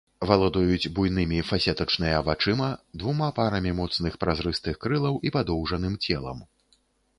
Валодаюць буйнымі фасетачныя вачыма, двума парамі моцных празрыстых крылаў і падоўжаным целам.